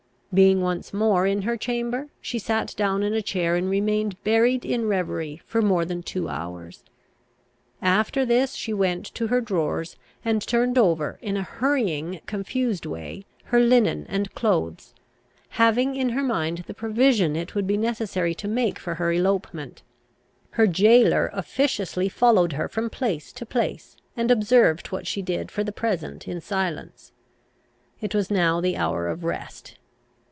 Being once more in her chamber, she sat down in a chair, and remained buried in reverie for more than two hours. After this she went to her drawers, and turned over, in a hurrying confused way, her linen and clothes, having in her mind the provision it would be necessary to make for her elopement. Her jailor officiously followed her from place to place, and observed what she did for the present in silence. It was now the hour of rest.